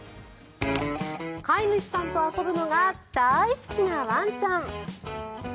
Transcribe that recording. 飼い主さんと遊ぶのが大好きなワンちゃん。